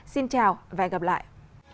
xin chào và hẹn gặp lại